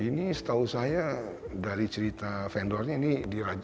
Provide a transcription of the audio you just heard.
ini setahu saya dari cerita vendornya ini dibuat oleh tangan